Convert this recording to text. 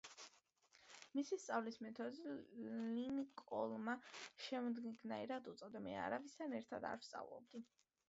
მისი სწავლის მეთოდს, ლინკოლნმა შემდეგნაირად უწოდა: „მე არავისთან ერთად არ ვსწავლობდი“.